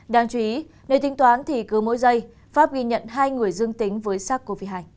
đáng chú ý nếu tính toán thì cứ mỗi giây pháp ghi nhận hai người dương tính với sars cov hai